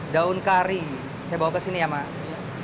daun kari saya bawa kesini ya mas